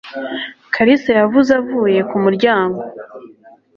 Kalisa yavuze avuye ku muryango.